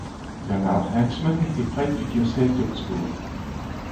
Bernhard Heinzmann est prêtre du diocèse d'Augsbourg.